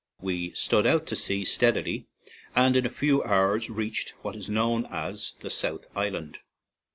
We stood out to sea steadily, and in a few hours reached what is known as the South Island.